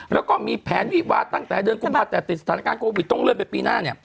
แล้วก็มีแผนวิวาสตั้งแต่เดือนคุณพ่าแต่สถานการณ์โควิดต้องเลิกไปปีหน้า